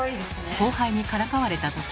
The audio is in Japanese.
後輩にからかわれたとき。